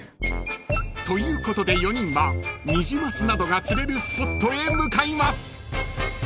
［ということで４人はニジマスなどが釣れるスポットへ向かいます］